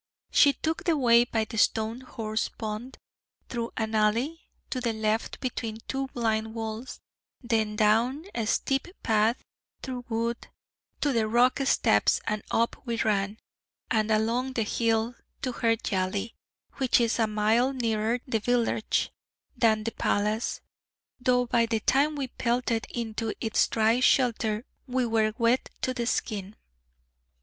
She took the way by the stone horse pond, through an alley to the left between two blind walls, then down a steep path through wood to the rock steps, and up we ran, and along the hill, to her yali, which is a mile nearer the village than the palace, though by the time we pelted into its dry shelter we were wet to the skin.